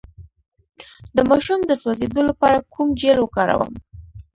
د ماشوم د سوځیدو لپاره کوم جیل وکاروم؟